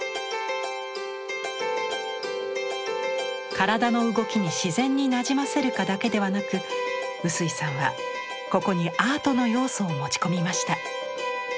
体の動きに自然になじませるかだけではなく臼井さんはここにアートの要素を持ち込みました。